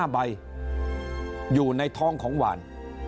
๕ใบอยู่ในท้องของหวาน